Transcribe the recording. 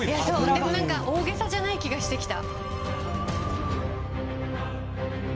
でも大げさじゃない気がしてきた。